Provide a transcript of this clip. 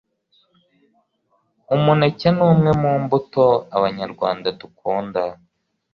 Umuneke ntumwe mumbuto abanyarwanda dukunda